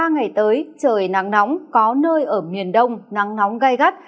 ba ngày tới trời nắng nóng có nơi ở miền đông nắng nóng gai gắt